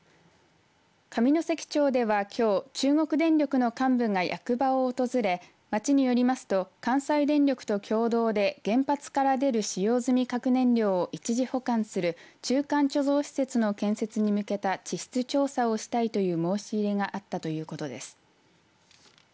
上関町ではきょう中国電力の幹部が役場を訪れ町によりますと関西電力と共同で原発から出る使用済み核燃料を一時保管する中間貯蔵施設の建設に向けた地質調査をしたいという申し入れがあったということです。